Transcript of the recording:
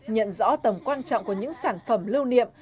nhận rõ tầm quan trọng của những sản phẩm lưu niệm